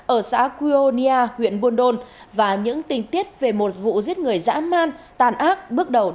ở xã quyô nia huyện buôn đôn và những tình tiết về một vụ giết người dãn man tàn ác bước đầu